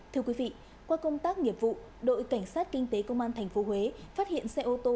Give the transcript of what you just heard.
thưa quý vị qua công tác nghiệp vụ đội cảnh sát kinh tế công an tp huế phát hiện xe ô tô